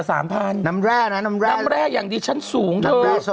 น้ำแร่นะน้ำแร่น้ำแร่โซดาน้ำแร่อย่างดีชั้นสูงเธอ